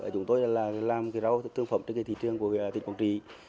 chúng tôi là làm rau thương phẩm trên thị trường của thịt quảng trì